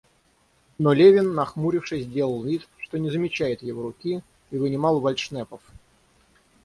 Но Левин, нахмурившись, делал вид, что не замечает его руки, и вынимал вальдшнепов.